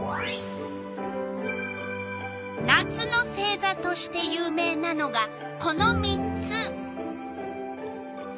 夏の星座として有名なのがこの３つ。